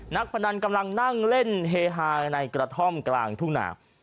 พนันกำลังนั่งเล่นเฮฮาในกระท่อมกลางทุ่งหนา